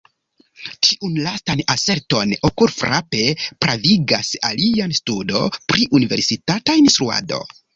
Tiun lastan aserton okulfrape pravigas alia studo pri universitata instruado.